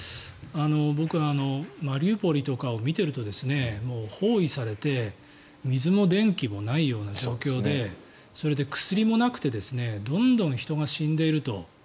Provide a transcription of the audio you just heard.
僕はマリウポリとかを見てると包囲されて水も電気もないような状況でそれで薬もなくてどんどん人が死んでいると。